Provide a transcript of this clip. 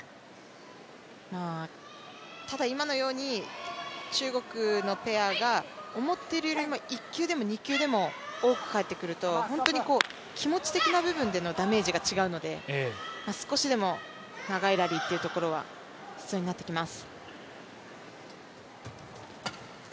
ただ今のように中国のペアが思っているより、１球でも２球でも多く返ってくると、気持ち的な部分でのダメージが違うので少しでも長いラリーというところは必要になってきます。